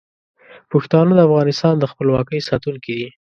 پښتانه د افغانستان د خپلواکۍ ساتونکي دي.